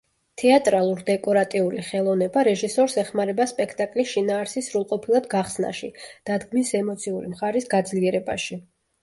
თეატრალურ-დეკორატიული ხელოვნება რეჟისორს ეხმარება სპექტაკლის შინაარსის სრულყოფილად გახსნაში, დადგმის ემოციური მხარის გაძლიერებაში.